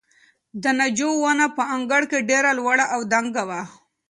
د ناجو ونه په انګړ کې ډېره لوړه او دنګه وه.